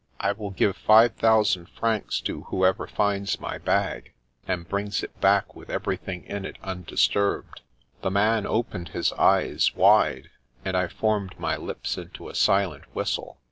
I will give five thousand francs to whoever finds my bag, and brings it back with everything in it undisturbed." The man opened his eyes wide, and I formed my lips into a silent whistle.